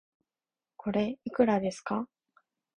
これ、いくらですか